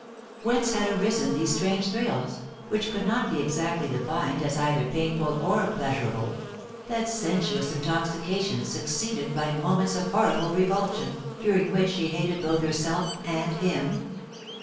Whence had arisen these strange thrills, which could not be exactly defined as cither painful or pleasurable — that sensuous intoxication I70 POLICY AND PASSU X. succeeded by moments of horrible rerolsion, during which she hated both herself and him